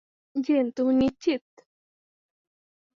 Gen, তুমি নিশ্চিত?